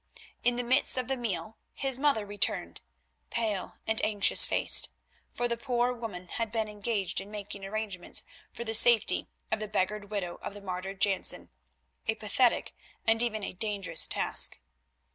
In the midst of the meal his mother returned, pale and anxious faced, for the poor woman had been engaged in making arrangements for the safety of the beggared widow of the martyred Jansen, a pathetic and even a dangerous task.